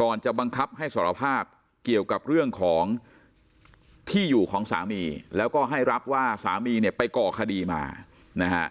ก่อนจะบังคับให้สารภาพเกี่ยวกับเรื่องของที่อยู่ของสามีแล้วก็ให้รับว่าสามีเนี่ยไปก่อคดีมานะฮะ